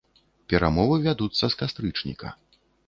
Перамовы вядуцца з кастрычніка.